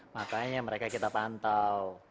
makanya mereka kita pantau